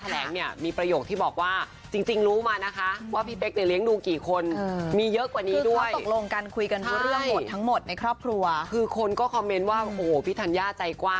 แล้วพอวันหนึ่งที่เขามายุ่งกับลูกเรา